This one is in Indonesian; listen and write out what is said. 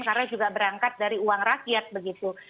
karena juga berangkat dari uang rakyat begitu